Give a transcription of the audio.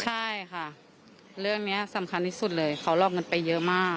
ใช่ค่ะเรื่องนี้สำคัญที่สุดเลยเขาหลอกเงินไปเยอะมาก